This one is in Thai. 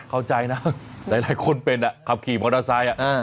เข้าใจนะหลายคนเป็นขับขี่มอเตอร์ไซค์